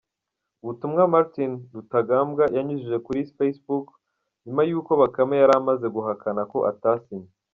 Ubutumwa Martin Rutagambwa yanyujije kuri Facebook nyuma yuko Bakame yari amaze guhakana ko atasinye .